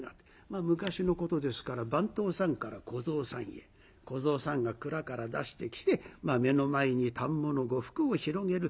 まあ昔のことですから番頭さんから小僧さんへ小僧さんが蔵から出してきて目の前に反物呉服を広げる。